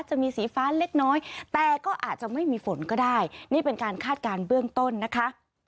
จะมีสีฟ้าเล็กน้อยแต่ก็อาจจะไม่มีฝนก็ได้นี่เป็นการคาดการณ์เบื้องต้นนะคะ